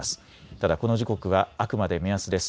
ただこの時刻はあくまで目安です。